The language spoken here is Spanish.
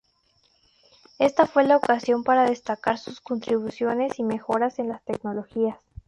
Esta fue la ocasión para destacar sus contribuciones y mejoras en las tecnologías.